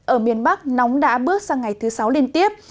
ở miền bắc nóng đã bước sang ngày thứ sáu liên tiếp